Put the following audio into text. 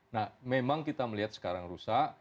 nah memang kita melihat sekarang rusak